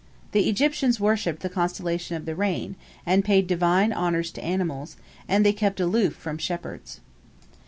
The Egyptians worshipped the constellation of the rain, and paid divine honors to animals, and they kept aloof from shepherds.